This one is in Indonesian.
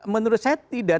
menurut saya tidak